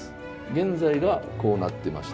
現在がこうなってまして。